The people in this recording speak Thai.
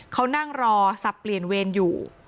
เขานั่งรอสับเปลี่ยนเวรอยู่